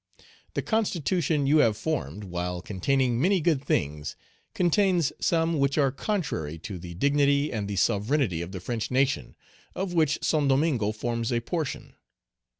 "The constitution you have formed, while containing many good things, contains some which are contrary to the dignity and the sovereignty of the French nation, of which Saint Domingo forms a portion.